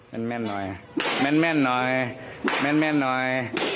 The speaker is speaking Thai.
แม่นหน่อย